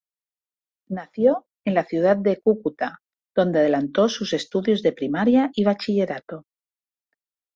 Nació en la ciudad de Cúcuta, donde adelantó sus estudios de primaria y bachillerato.